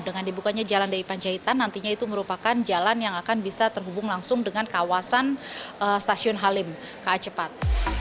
dengan dibukanya jalan di panjaitan nantinya itu merupakan jalan yang akan bisa terhubung langsung dengan kawasan stasiun halim ka cepat